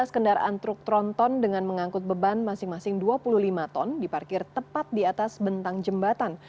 lima belas kendaraan truk tronton dengan mengangkut beban masing masing dua puluh lima ton diparkir tepat di atas bentang jembatan